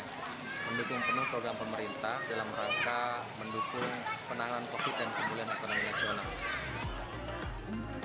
kita mendukung penuh program pemerintah dalam rangka mendukung penanganan covid dan pemulihan ekonomi nasional